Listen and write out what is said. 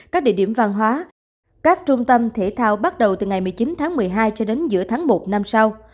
các địa điểm văn hóa các trung tâm thể thao bắt đầu từ ngày một mươi chín tháng một mươi hai cho đến giữa tháng một năm sau